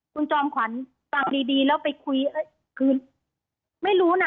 คุณจอมขวัญฟังดีแล้วไปคุยคือไม่รู้นะ